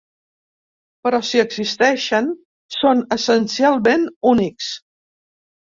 Però si existeixen, són essencialment únics.